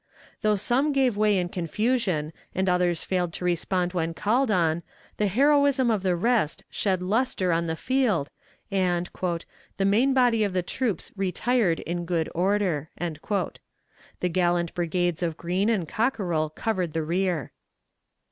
Though some gave way in confusion, and others failed to respond when called on, the heroism of the rest shed luster on the field, and "the main body of the troops retired in good order." The gallant brigades of Green and Cockerell covered the rear.